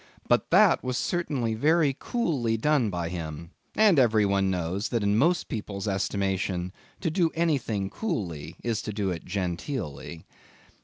But that was certainly very coolly done by him, and every one knows that in most people's estimation, to do anything coolly is to do it genteelly.